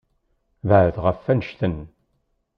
Beɛɛed ɣef annect-en.